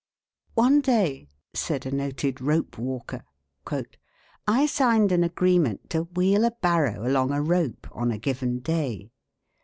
"One day," said a noted rope walker, "I signed an agreement to wheel a barrow along a rope on a given day.